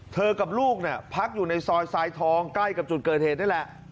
กับลูกเนี่ยพักอยู่ในซอยทรายทองใกล้กับจุดเกิดเหตุนี่แหละ